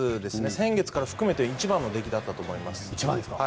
先月から含めて一番のできだったと思います。